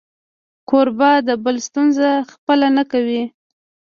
کوربه د بل ستونزه خپله نه کوي.